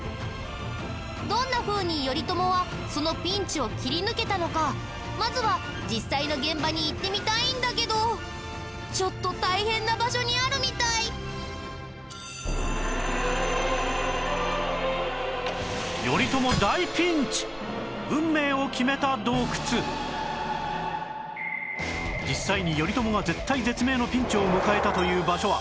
どんなふうに頼朝はそのピンチを切り抜けたのかまずは実際の現場に行ってみたいんだけどちょっと実際に頼朝が絶体絶命のピンチを迎えたという場所は